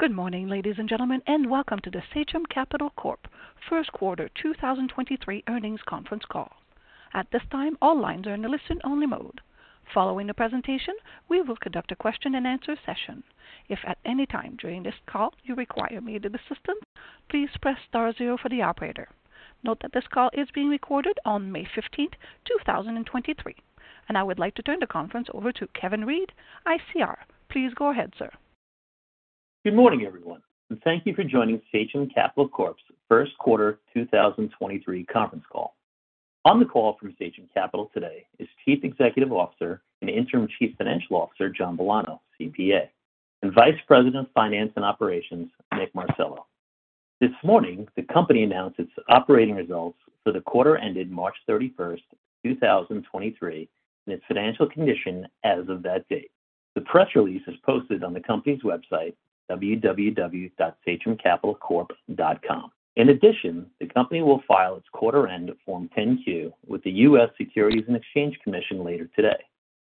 Good morning, ladies and gentlemen, and welcome to the Sachem Capital Corp First Quarter 2023 Earnings Conference Call. At this time, all lines are in a listen-only mode. Following the presentation, we will conduct a question-and-answer session. If at any time during this call you require immediate assistance, please press star zero for the operator. Note that this call is being recorded on May 15th, 2023. I would like to turn the conference over to Kevin Reed, ICR. Please go ahead, sir. Good morning, everyone, and thank you for joining Sachem Capital Corp.'s First Quarter 2023 conference call. On the call from Sachem Capital today is Chief Executive Officer and Interim Chief Financial Officer, John Villano, CPA, and Vice President of Finance and Operations, Nick Marcello. This morning, the company announced its operating results for the quarter ended March 31, 2023, and its financial condition as of that date. The press release is posted on the company's website, www.sachemcapitalcorp.com. In addition, the company will file its quarter-end Form 10-Q with the U.S. Securities and Exchange Commission later today,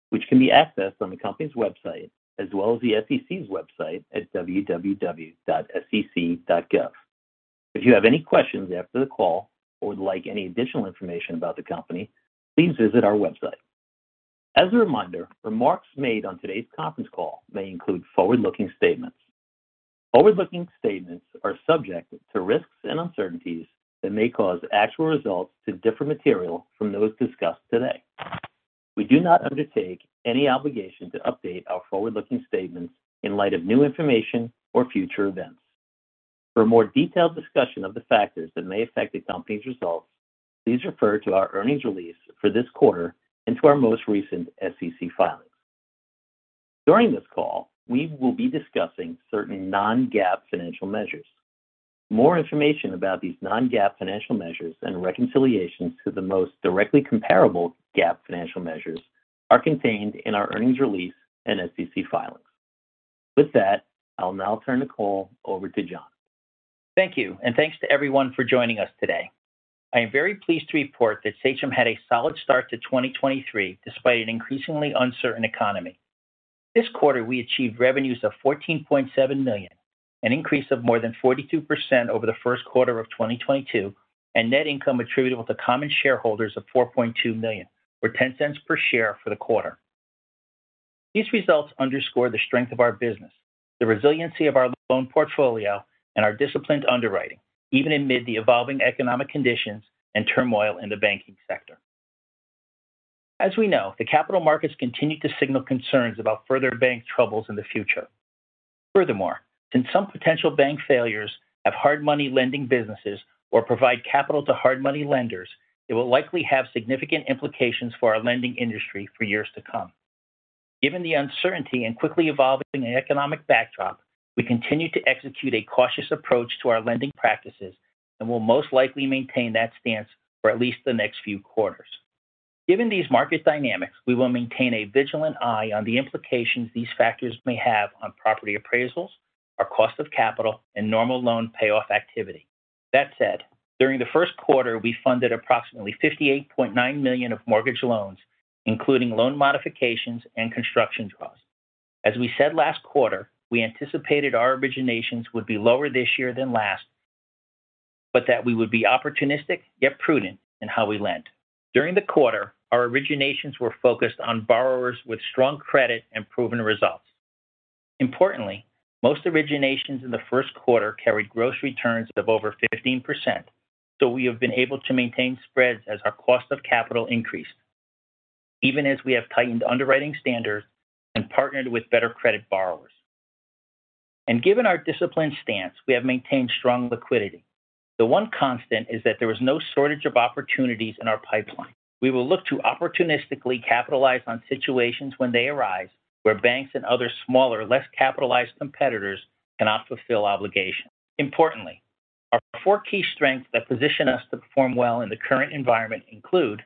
which can be accessed on the company's website as well as the SEC's website at www.sec.gov. If you have any questions after the call or would like any additional information about the company, please visit our website. As a reminder, remarks made on today's conference call may include forward-looking statements. Forward-looking statements are subject to risks and uncertainties that may cause actual results to differ material from those discussed today. We do not undertake any obligation to update our forward-looking statements in light of new information or future events. For a more detailed discussion of the factors that may affect the company's results, please refer to our earnings release for this quarter and to our most recent SEC filings. During this call, we will be discussing certain non-GAAP financial measures. More information about these non-GAAP financial measures and reconciliations to the most directly comparable GAAP financial measures are contained in our earnings release and SEC filings. With that, I'll now turn the call over to John. Thank you, thanks to everyone for joining us today. I am very pleased to report that Sachem had a solid start to 2023 despite an increasingly uncertain economy. This quarter we achieved revenues of $14.7 million, an increase of more than 42% over the first quarter of 2022, and net income attributable to common shareholders of $4.2 million or $0.10 per share for the quarter. These results underscore the strength of our business, the resiliency of our loan portfolio, and our disciplined underwriting, even amid the evolving economic conditions and turmoil in the banking sector. As we know, the capital markets continue to signal concerns about further bank troubles in the future. Since some potential bank failures have hard money lending businesses or provide capital to hard money lenders, it will likely have significant implications for our lending industry for years to come. Given the uncertainty and quickly evolving economic backdrop, we continue to execute a cautious approach to our lending practices and will most likely maintain that stance for at least the next few quarters. Given these market dynamics, we will maintain a vigilant eye on the implications these factors may have on property appraisals, our cost of capital, and normal loan payoff activity. During the first quarter we funded approximately $58.9 million of mortgage loans, including loan modifications and construction draws. As we said last quarter, we anticipated our originations would be lower this year than last, but that we would be opportunistic yet prudent in how we lend. During the quarter, our originations were focused on borrowers with strong credit and proven results. Importantly, most originations in the first quarter carried gross returns of over 15%, so we have been able to maintain spreads as our cost of capital increased, even as we have tightened underwriting standards and partnered with better credit borrowers. Given our disciplined stance, we have maintained strong liquidity. The one constant is that there was no shortage of opportunities in our pipeline. We will look to opportunistically capitalize on situations when they arise where banks and other smaller, less capitalized competitors cannot fulfill obligations. Our 4 key strengths that position us to perform well in the current environment include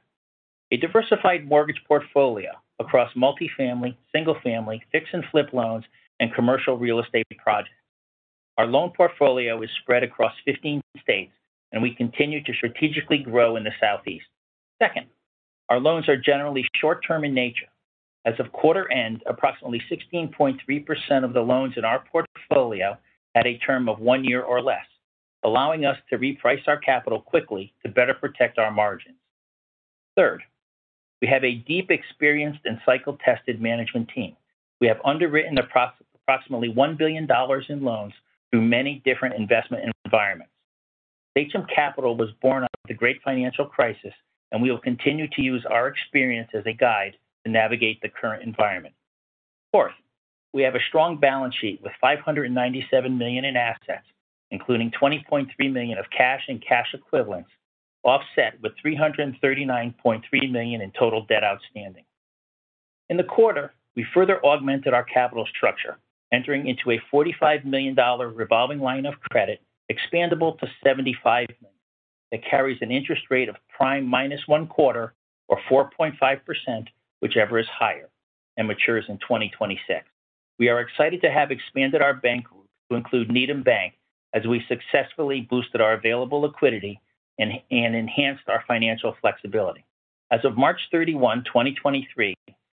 a diversified mortgage portfolio across multi-family, single-family, fix and flip loans, and commercial real estate projects. Our loan portfolio is spread across 15 states. We continue to strategically grow in the Southeast. Second, our loans are generally short-term in nature. As of quarter end, approximately 16.3% of the loans in our portfolio had a term of one year or less, allowing us to reprice our capital quickly to better protect our margins. Third, we have a deep experienced and cycle-tested management team. We have underwritten approximately $1 billion in loans through many different investment environments. Sachem Capital was born out of the great financial crisis. We will continue to use our experience as a guide to navigate the current environment. Fourth, we have a strong balance sheet with $597 million in assets, including $20.3 million of cash and cash equivalents, offset with $339.3 million in total debt outstanding. In the quarter, we further augmented our capital structure, entering into a $45 million revolving line of credit expandable to $75 million that carries an interest rate of prime minus one quarter or 4.5%, whichever is higher, and matures in 2026. We are excited to have expanded our bank to include Needham Bank as we successfully boosted our available liquidity and enhanced our financial flexibility. As of March 31, 2023.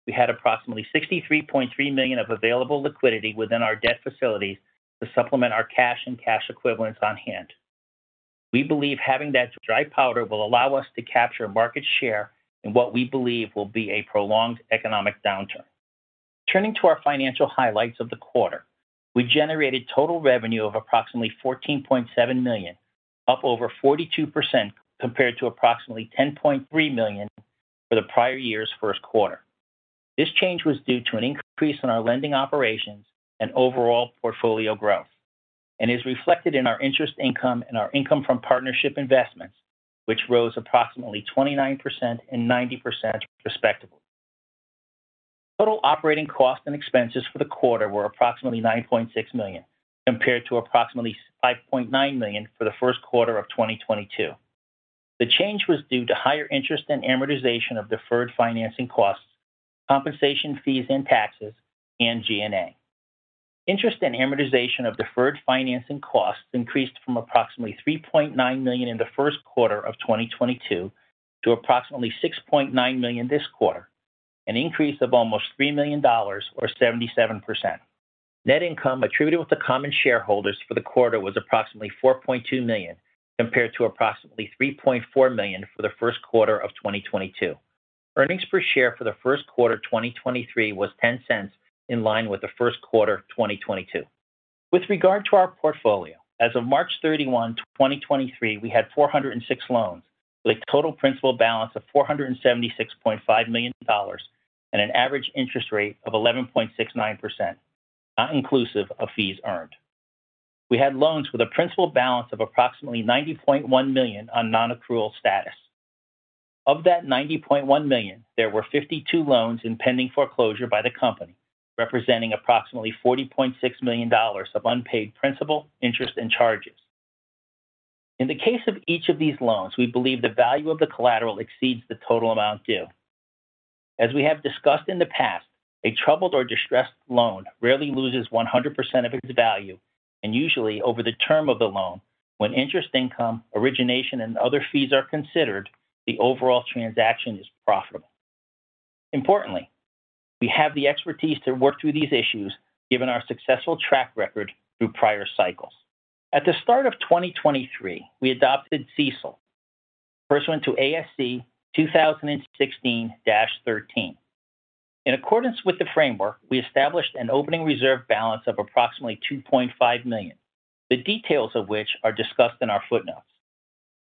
We had approximately $63.3 million of available liquidity within our debt facilities to supplement our cash and cash equivalents on hand. We believe having that dry powder will allow us to capture market share in what we believe will be a prolonged economic downturn. Turning to our financial highlights of the quarter. We generated total revenue of approximately $14.7 million, up over 42% compared to approximately $10.3 million for the prior year's first quarter. This change was due to an increase in our lending operations and overall portfolio growth and is reflected in our interest income and our income from partnership investments, which rose approximately 29% and 90% respectively. Total operating costs and expenses for the quarter were approximately $9.6 million, compared to approximately $5.9 million for the first quarter of 2022. The change was due to higher interest and amortization of deferred financing costs, compensation fees and taxes, and G&A. Interest and amortization of deferred financing costs increased from approximately $3.9 million in the first quarter of 2022 to approximately $6.9 million this quarter, an increase of almost $3 million or 77%. Net income attributed with the common shareholders for the quarter was approximately $4.2 million, compared to approximately $3.4 million for the first quarter of 2022. Earnings per share for the first quarter 2023 was $0.10 in line with the first quarter 2022. With regard to our portfolio, as of March 31, 2023, we had 406 loans with a total principal balance of $476.5 million and an average interest rate of 11.69%, not inclusive of fees earned. We had loans with a principal balance of approximately $90.1 million on non-accrual status. Of that $90.1 million, there were 52 loans in pending foreclosure by the company, representing approximately $40.6 million of unpaid principal interest and charges. In the case of each of these loans, we believe the value of the collateral exceeds the total amount due. As we have discussed in the past, a troubled or distressed loan rarely loses 100% of its value, and usually over the term of the loan, when interest income, origination, and other fees are considered, the overall transaction is profitable. Importantly, we have the expertise to work through these issues given our successful track record through prior cycles. At the start of 2023, we adopted CECL, pursuant to ASU 2016-13. In accordance with the framework, we established an opening reserve balance of approximately $2.5 million, the details of which are discussed in our footnotes.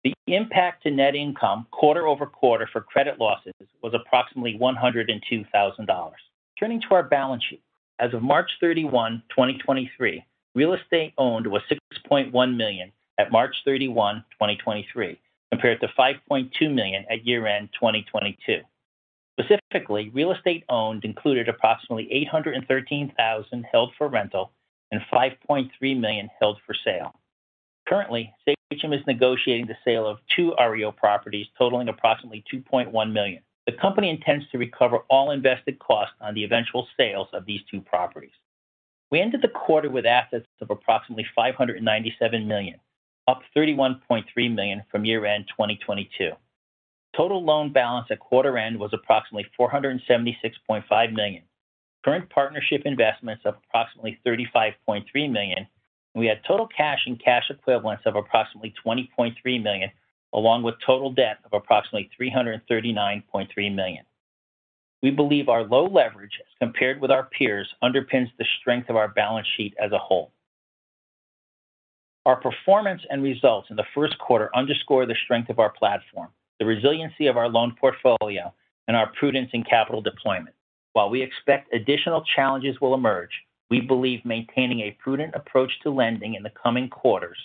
The impact to net income quarter-over-quarter for credit losses was approximately $102,000. Turning to our balance sheet. As of March 31, 2023, real estate owned was $6.1 million at March 31, 2023, compared to $5.2 million at year-end 2022. Specifically, real estate owned included approximately $813,000 held for rental and $5.3 million held for sale. Currently, Sachem is negotiating the sale of two REO properties totaling approximately $2.1 million. The company intends to recover all invested costs on the eventual sales of these two properties. We ended the quarter with assets of approximately $597 million, up $31.3 million from year-end 2022. Total loan balance at quarter end was approximately $476.5 million. Current partnership investments of approximately $35.3 million, and we had total cash and cash equivalents of approximately $20.3 million, along with total debt of approximately $339.3 million. We believe our low leverage as compared with our peers underpins the strength of our balance sheet as a whole. Our performance and results in the first quarter underscore the strength of our platform, the resiliency of our loan portfolio, and our prudence in capital deployment. While we expect additional challenges will emerge, we believe maintaining a prudent approach to lending in the coming quarters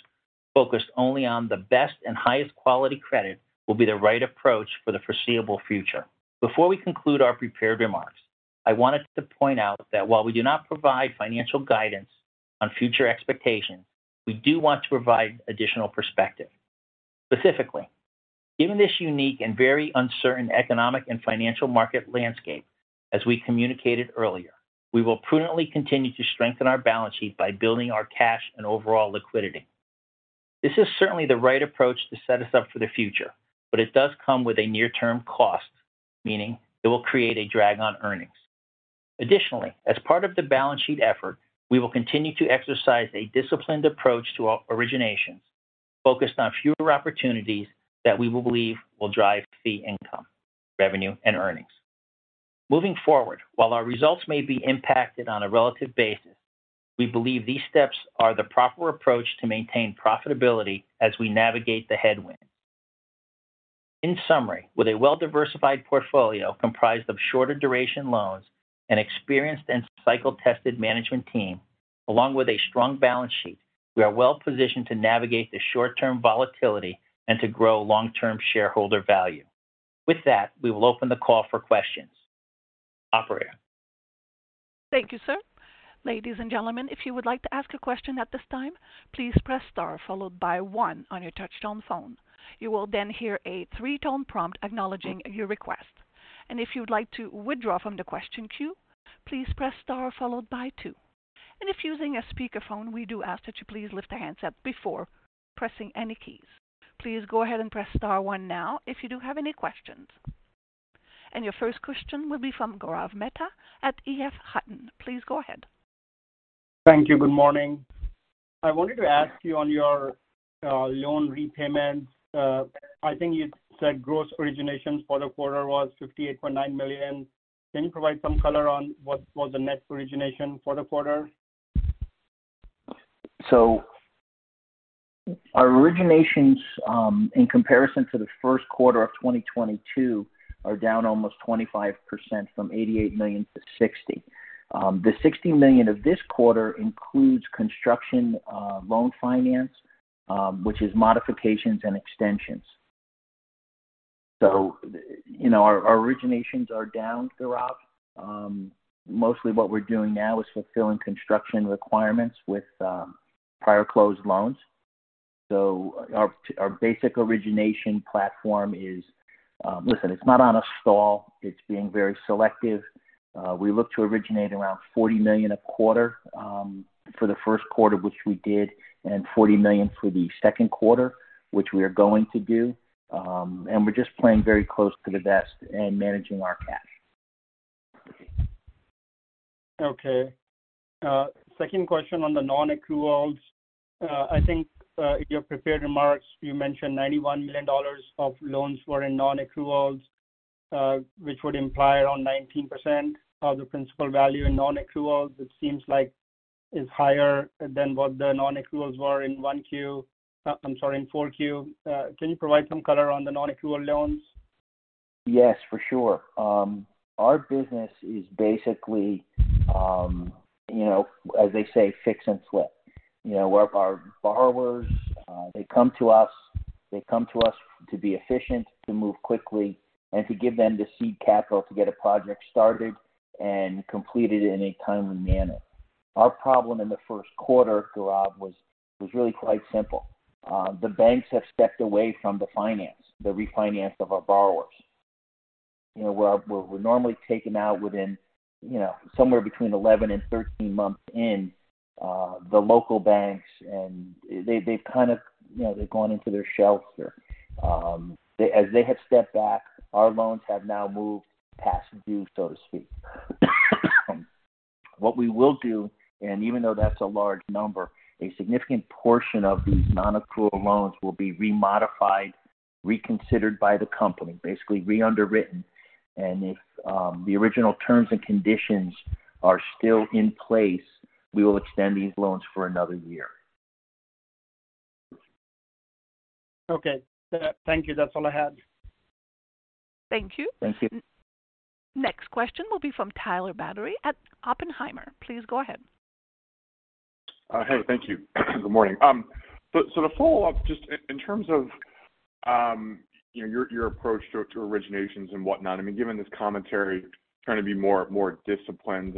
focused only on the best and highest quality credit will be the right approach for the foreseeable future. Before we conclude our prepared remarks, I wanted to point out that while we do not provide financial guidance on future expectations, we do want to provide additional perspective. Specifically, given this unique and very uncertain economic and financial market landscape, as we communicated earlier, we will prudently continue to strengthen our balance sheet by building our cash and overall liquidity. This is certainly the right approach to set us up for the future, but it does come with a near-term cost, meaning it will create a drag on earnings. Additionally, as part of the balance sheet effort, we will continue to exercise a disciplined approach to our originations, focused on fewer opportunities that we will believe will drive fee income, revenue, and earnings. Moving forward, while our results may be impacted on a relative basis, we believe these steps are the proper approach to maintain profitability as we navigate the headwind. In summary, with a well-diversified portfolio comprised of shorter duration loans and experienced and cycle-tested management team, along with a strong balance sheet, we are well positioned to navigate the short-term volatility and to grow long-term shareholder value. With that, we will open the call for questions. Operator. Thank you, sir. Ladies and gentlemen, if you would like to ask a question at this time, please press star followed by one on your touch-tone phone. You will then hear a three-tone prompt acknowledging your request. If you'd like to withdraw from the question queue, please press star followed by two. If using a speakerphone, we do ask that you please lift the handset before pressing any keys. Please go ahead and press star one now if you do have any questions. Your first question will be from Gaurav Mehta at EF Hutton. Please go ahead. Thank you. Good morning. I wanted to ask you on your loan repayments, I think you said gross originations for the quarter was $58.9 million. Can you provide some color on what was the net origination for the quarter? Our originations, in comparison to the first quarter of 2022, are down almost 25% from $88 million to $60 million. The $60 million of this quarter includes construction loan finance, which is modifications and extensions. You know, our originations are down, Gaurav. Mostly what we're doing now is fulfilling construction requirements with prior closed loans. Our basic origination platform is, listen, it's not on a stall. It's being very selective. We look to originate around $40 million a quarter for the first quarter, which we did, and $40 million for the second quarter, which we are going to do. We're just playing very close to the vest and managing our cash. Okay. Second question on the non-accruals. I think, in your prepared remarks, you mentioned $91 million of loans were in non-accruals, which would imply around 19% of the principal value in non-accruals. It seems like is higher than what the non-accruals were in 1Q, I'm sorry, in 4Q. Can you provide some color on the non-accrual loans? Yes, for sure. Our business is basically, you know, as they say, fix and flip. You know, where our borrowers, they come to us to be efficient, to move quickly, and to give them the seed capital to get a project started and completed in a timely manner. Our problem in the first quarter, Gaurav, was really quite simple. The banks have stepped away from the finance, the refinance of our borrowers. You know, where we're normally taken out within, you know, somewhere between 11 and 13 months in the local banks, and they've kind of, you know, they've gone into their shelter. As they have stepped back, our loans have now moved past due, so to speak. What we will do, and even though that's a large number, a significant portion of these non-accrual loans will be remodified, reconsidered by the company, basically re-underwritten. If the original terms and conditions are still in place, we will extend these loans for another year. Okay. Thank you. That's all I had. Thank you. Thank you. Next question will be from Tyler Batory at Oppenheimer. Please go ahead. Hey, thank you. Good morning. To follow up, just in terms of, you know, your approach to originations and whatnot, I mean, given this commentary, trying to be more disciplined.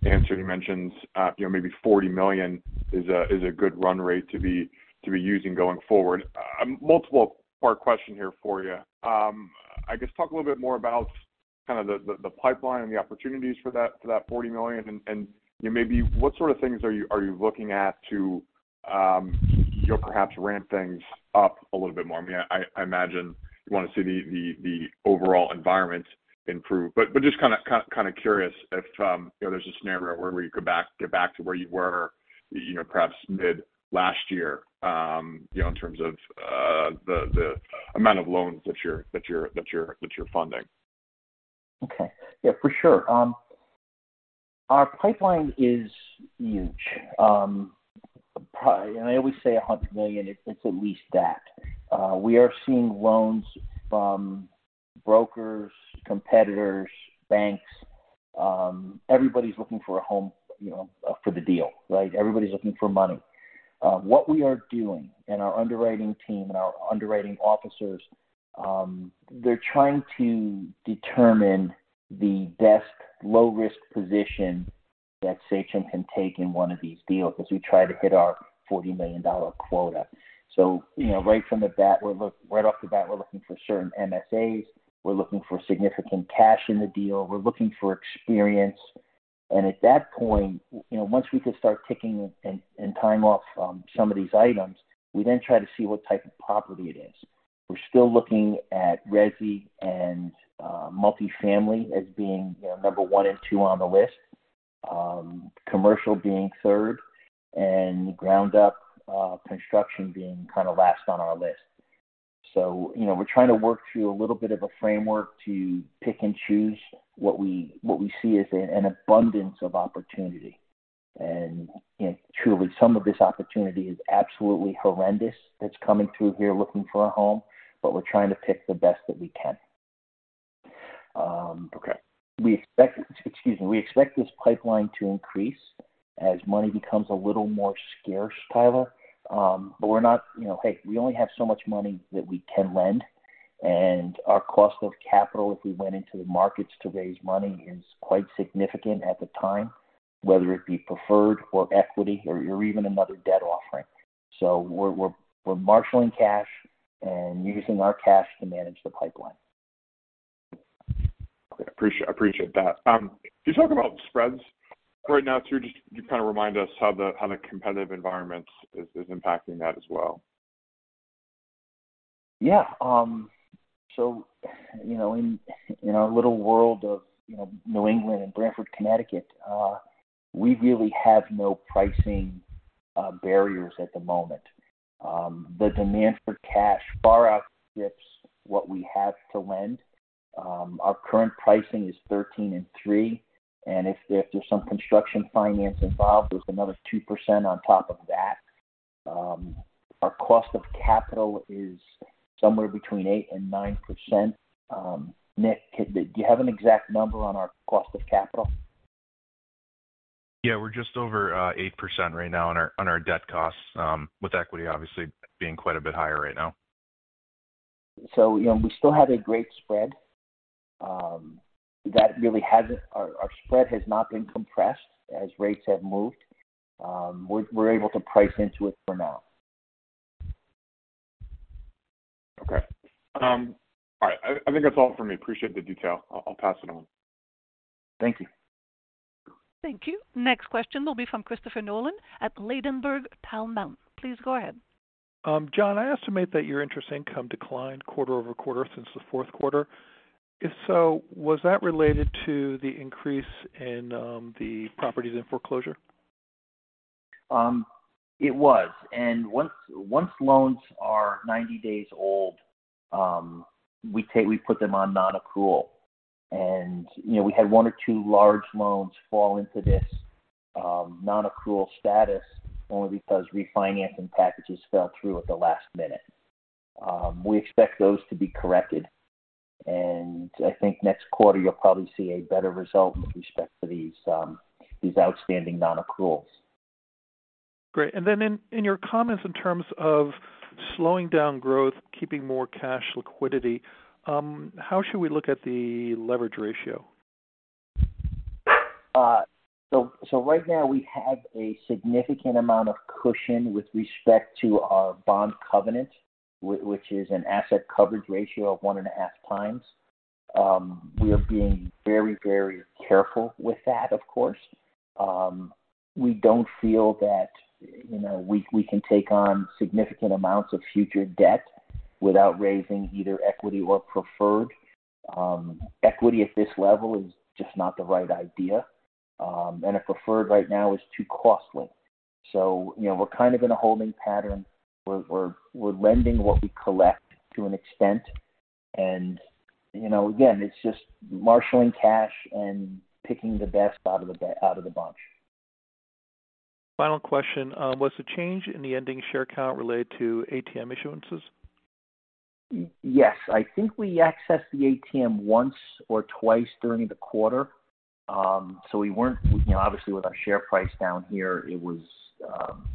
I mean, I think you in the previous answer, you mentioned, you know, maybe $40 million is a, is a good run rate to be using going forward. Multiple part question here for you. I guess talk a little bit more about kind of the pipeline and the opportunities for that $40 million and, you know, maybe what sort of things are you looking at to, you know, perhaps ramp things up a little bit more? I mean, I imagine you want to see the overall environment improve, but just kinda curious if, you know, there's a scenario where you could get back to where you were, you know, perhaps mid last year, you know, in terms of the amount of loans that you're funding. Yeah, for sure. And I always say $100 million, it's at least that. We are seeing loans from brokers, competitors, banks. Everybody's looking for a home, you know, for the deal, right? Everybody's looking for money. What we are doing in our underwriting team and our underwriting officers, they're trying to determine the best low-risk position that SACH can take in one of these deals as we try to hit our $40 million quota. You know, right off the bat, we're looking for certain MSAs. We're looking for significant cash in the deal. We're looking for experience. And at that point, you know, once we can start ticking and time off, some of these items, we then try to see what type of property it is. We're still looking at resi and multifamily as being, you know, number one and two on the list. Commercial being third and ground up construction being kinda last on our list. You know, we're trying to work through a little bit of a framework to pick and choose what we see as an abundance of opportunity. You know, truly, some of this opportunity is absolutely horrendous that's coming through here looking for a home, but we're trying to pick the best that we can. Okay. Excuse me. We expect this pipeline to increase as money becomes a little more scarce, Tyler. You know, hey, we only have so much money that we can lend, and our cost of capital, if we went into the markets to raise money, is quite significant at the time, whether it be preferred or equity or even another debt offering. We're marshaling cash and using our cash to manage the pipeline. Okay. appreciate that. You talk about spreads. Right now, could you just kind of remind us how the competitive environment is impacting that as well? Yeah. You know, in our little world of, you know, New England and Branford, Connecticut, we really have no pricing barriers at the moment. The demand for cash far outstrips what we have to lend. Our current pricing is thirteen and three, and if there's some construction finance involved, there's another 2% on top of that. Our cost of capital is somewhere between 8% and 9%. Nick, do you have an exact number on our cost of capital? Yeah, we're just over 8% right now on our, on our debt costs, with equity obviously being quite a bit higher right now. You know, we still have a great spread. Our, our spread has not been compressed as rates have moved. We're, we're able to price into it for now. Okay. All right. I think that's all for me. Appreciate the detail. I'll pass it on. Thank you. Thank you. Next question will be from Christopher Nolan at Ladenburg Thalmann. Please go ahead. John, I estimate that your interest income declined quarter-over-quarter since the fourth quarter. If so, was that related to the increase in the properties in foreclosure? It was. Once, once loans are 90 days old, we put them on nonaccrual. You know, we had one or two large loans fall into this nonaccrual status only because refinancing packages fell through at the last minute. We expect those to be corrected. I think next quarter you'll probably see a better result with respect to these outstanding nonaccruals. Great. In, in your comments in terms of slowing down growth, keeping more cash liquidity, how should we look at the leverage ratio? Right now we have a significant amount of cushion with respect to our bond covenant, which is an asset coverage ratio of 1.5x. We are being very, very careful with that, of course. We don't feel that, you know, we can take on significant amounts of future debt without raising either equity or preferred. Equity at this level is just not the right idea. A preferred right now is too costly. You know, we're kind of in a holding pattern. We're lending what we collect to an extent. You know, again, it's just marshaling cash and picking the best out of the bunch. Final question. Was the change in the ending share count related to ATM issuances? Yes. I think we accessed the ATM once or twice during the quarter. We weren't, you know, obviously with our share price down here, it was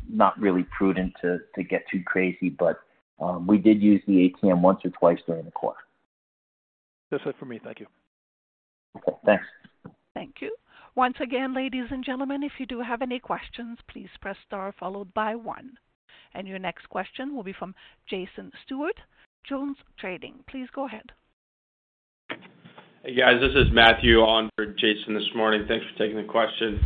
not really prudent to get too crazy. We did use the ATM once or twice during the quarter. That's it for me. Thank you. Okay, thanks. Thank you. Once again, ladies and gentlemen, if you do have any questions, please press star followed by one. Your next question will be from Jason Stewart, JonesTrading. Please go ahead. Hey, guys. This is Matthew on for Jason this morning. Thanks for taking the question.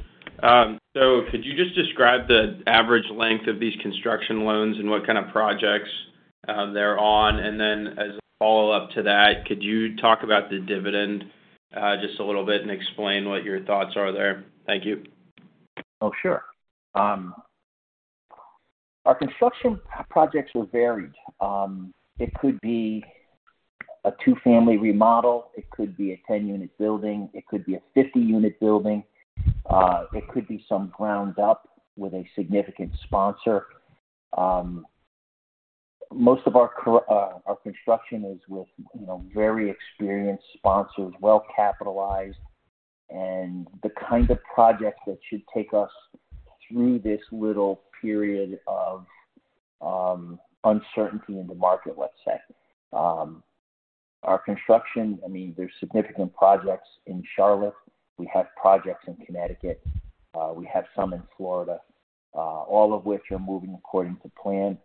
Could you just describe the average length of these construction loans and what kind of projects they're on? As a follow-up to that, could you talk about the dividend just a little bit and explain what your thoughts are there? Thank you. Oh, sure. Our construction projects were varied. It could be a two family remodel, it could be a 10-unit building, it could be a 50-unit building, it could be some ground up with a significant sponsor. Most of our construction is with, you know, very experienced sponsors, well-capitalized, and the kind of projects that should take us through this little period of uncertainty in the market, let's say. Our construction, I mean, there's significant projects in Charlotte. We have projects in Connecticut, we have some in Florida, all of which are moving according to plan.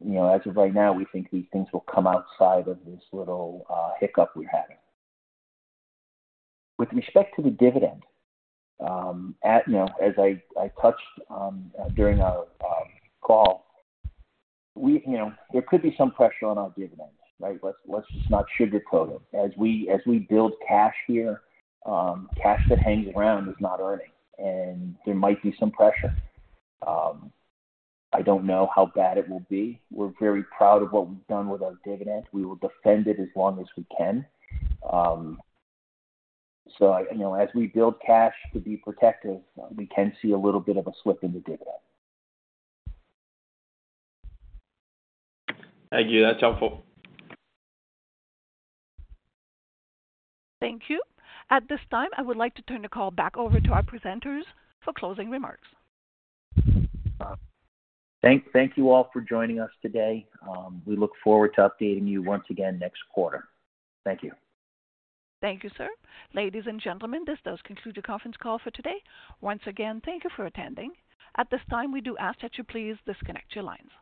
You know, as of right now, we think these things will come outside of this little hiccup we're having. With respect to the dividend, at, you know, as I touched on during our call, we, you know, there could be some pressure on our dividends, right? Let's just not sugarcoat it. As we build cash here, cash that hangs around is not earning, and there might be some pressure. I don't know how bad it will be. We're very proud of what we've done with our dividend. We will defend it as long as we can. You know, as we build cash to be protective, we can see a little bit of a slip in the dividend. Thank you. That's helpful. Thank you. At this time, I would like to turn the call back over to our presenters for closing remarks. Thank you all for joining us today. We look forward to updating you once again next quarter. Thank you. Thank you, sir. Ladies and gentlemen, this does conclude the conference call for today. Once again, thank you for attending. At this time, we do ask that you please disconnect your lines.